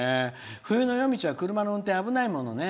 冬の夜道は運転危ないもんね。